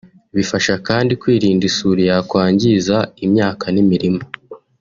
Bifasha kandi kwirinda isuri yakwangiza imyaka n’imirima